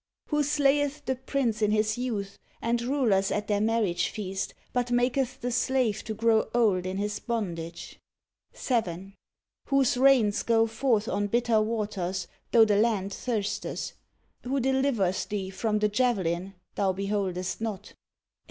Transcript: Who slayeth the prince in his youth, and rulers at their marriage feast, but maketh the slave to grow old in his bondage; 7. Whose rains go forth on bitter waters, tho the land thirsteth; Who delivereth thee from the javelin thou beholdest not; 8.